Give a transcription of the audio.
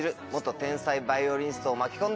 天才バイオリニストを巻き込んで。